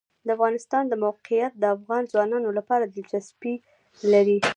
د افغانستان د موقعیت د افغان ځوانانو لپاره دلچسپي لري.